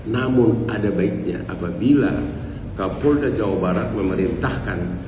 namun ada baiknya apabila kapolda jawa barat memerintahkan